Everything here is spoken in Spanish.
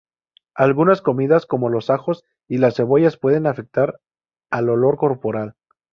Algunas comidas como los ajos y las cebollas pueden afectar al olor corporal.